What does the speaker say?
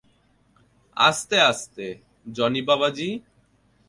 আস্তে, আস্তে, জনি বাবাজি।